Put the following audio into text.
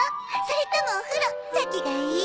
それともお風呂先がいい？